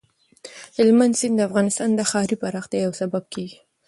هلمند سیند د افغانستان د ښاري پراختیا یو سبب کېږي.